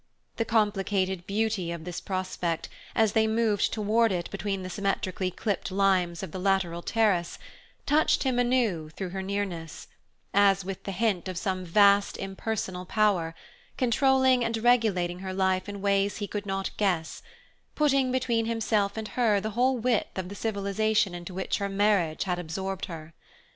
The complicated beauty of this prospect, as they moved toward it between the symmetrically clipped limes of the lateral terrace, touched him anew through her nearness, as with the hint of some vast impersonal power, controlling and regulating her life in ways he could not guess, putting between himself and her the whole width of the civilization into which her marriage had absorbed her.